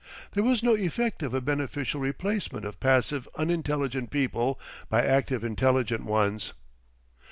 There was no effect of a beneficial replacement of passive unintelligent people by active intelligent ones.